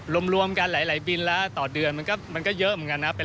หลวมกันหลายบิลต่อเดือนมันก็มันก็เยอะเหมือนกันนะ